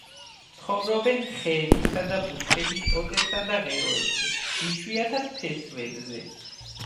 ცხოვრობენ ხეებისა და ბუჩქების ტოტებსა და ღეროზე, იშვიათად ფესვებზე.